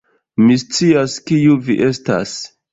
Mi scias, kiu vi estas.